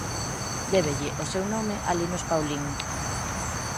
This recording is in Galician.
Débelle o seu nome a Linus Pauling.